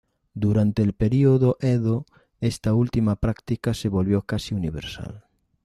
Durante el período Edo, esta última práctica se volvió casi universal.